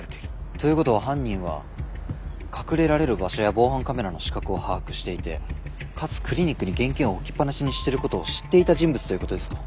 ということは犯人は隠れられる場所や防犯カメラの死角を把握していてかつクリニックに現金を置きっぱなしにしてることを知っていた人物ということですか？